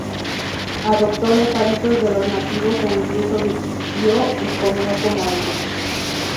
Adoptó los hábitos de los nativos e incluso vistió y comió como ellos.